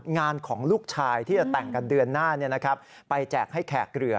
งานของลูกชายที่จะแต่งกันเดือนหน้าไปแจกให้แขกเรือ